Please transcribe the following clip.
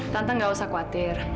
tante gak usah khawatir